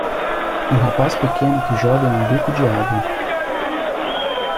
Um rapaz pequeno que joga em um bico de água.